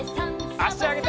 あしあげて。